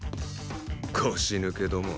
腰抜けども。